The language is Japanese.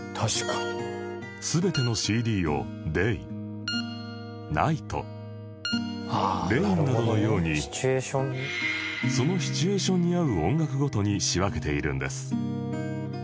全ての ＣＤ を「ｄａｙ」「ｎｉｇｈｔ」「ｒａｉｎ」などのようにそのシチュエーションに合う音楽ごとに仕分けているんです